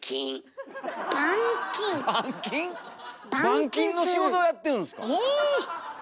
板金の仕事やってるんすか。